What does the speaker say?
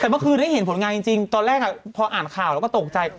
มาคืนได้เห็นผลงานจริงจริงตอนแรกพออ่านข่าวแล้วก็ตกใจ